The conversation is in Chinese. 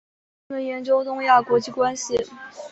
专门研究东亚国际关系。